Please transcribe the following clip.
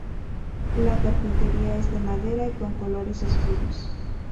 La carpintería es de madera y con colores oscuros.